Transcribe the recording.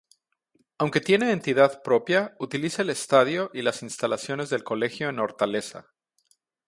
Aunque tiene entidad propia utiliza el estadio y las instalaciones del colegio en Hortaleza.